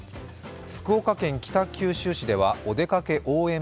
福岡県北九州市ではお出かけ応援